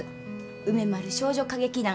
梅丸少女歌劇団